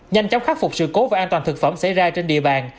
nhanh chóng khắc phục sự cố và an toàn thực phẩm xảy ra trên địa bàn